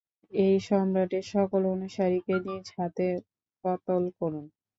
এই সম্রাটের সকল অনুসারীকে নিজ হাতে কতল করুন!